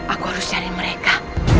aku harus cari mereka